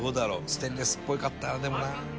ステンレスっぽかったでもな。